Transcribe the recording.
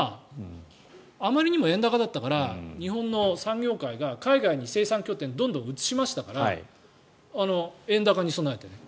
あまりにも円高だったから日本の産業界が海外に生産拠点をどんどん移しましたから円安に備えてね。